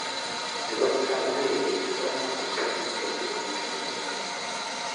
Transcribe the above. Evropská unie je připravena poskytnou pro tyto účely pomoc.